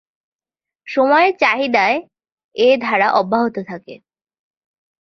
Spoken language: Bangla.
সময়ের চাহিদায় এ ধারা অব্যাহত থাকে।